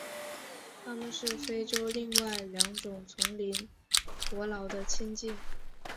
它们是非洲另外两种丛林伯劳的近亲。